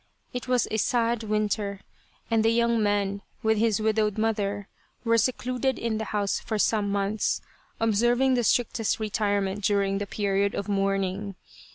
It was a sad winter, and the young man with his widowed mother, were secluded in the house for some months, observing the strictest retirement during the period of mourning.